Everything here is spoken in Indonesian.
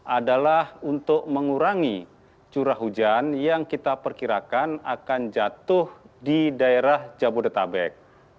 adalah untuk mengurangi curah hujan yang kita perkirakan akan jatuh di daerah jabodetabek